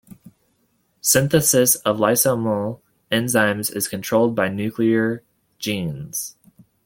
Synthesis of lysosomal enzymes is controlled by nuclear genes.